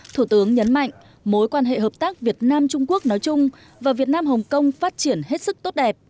thủ tướng nhấn mạnh mối quan hệ hợp tác việt nam trung quốc nói chung và việt nam hồng kông phát triển hết sức tốt đẹp